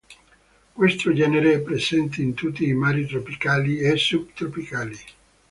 Questo genere è presente in tutti i mari tropicali e subtropicali.